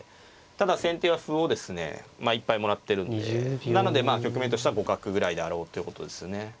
ただ先手は歩をですねいっぱいもらってるんでなので局面としては互角ぐらいであろうということですよね。